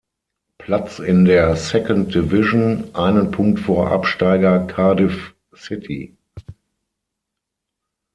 Platz in der Second Division, einen Punkt vor Absteiger Cardiff City.